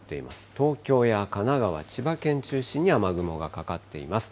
東京や神奈川、千葉県中心に雨雲がかかっています。